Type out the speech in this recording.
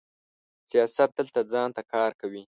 سیاست دلته ځان ته کار کوي.